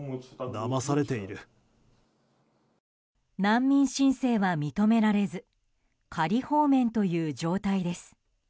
難民申請は認められず仮放免という状態です。